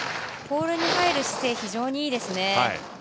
ポールに入る姿勢が非常にいいですね。